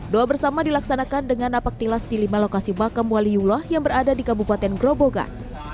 doa bersama dilaksanakan dengan napaktilas di lima lokasi makam waliyulah yang berada di kabupaten grobogan